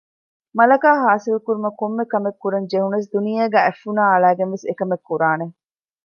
މަލަކާ ހާސިލް ކުރުމަށް ކޮންމެ ކަމެއް ކުރަން ޖެހުނަސް ދުނިޔޭގައި އަތް ފުނާ އަޅައިގެން ވެސް އެކަމެއް ކުރާނެ